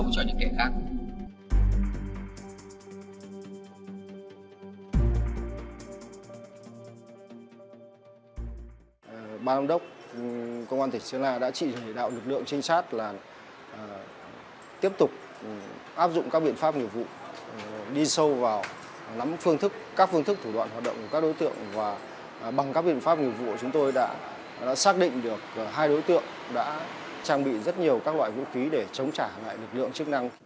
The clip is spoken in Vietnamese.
chúng tôi đã áp dụng các biện pháp nghiệp vụ đi sâu vào nắm các phương thức thủ đoạn hoạt động của các đối tượng và bằng các biện pháp nghiệp vụ chúng tôi đã xác định được hai đối tượng đã trang bị rất nhiều các loại vũ khí để chống trả lại lực lượng chức năng